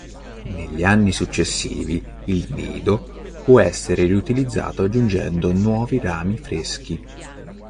Negli anni successivi il nido può essere riutilizzato aggiungendo nuovi rami freschi.